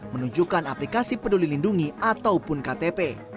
menunjukkan aplikasi peduli lindungi ataupun ktp